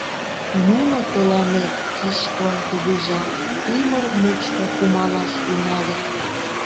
Нуно тыланет, Кишкон Кугыжа, ӱмыр мучко кумалаш тӱҥалыт.